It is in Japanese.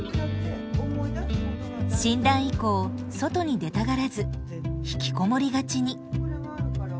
診断以降外に出たがらず引きこもりがちに。